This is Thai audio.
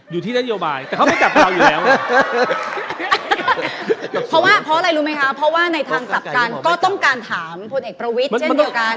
พูดอย่างนั้นไม่ได้นะครับ